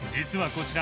こちら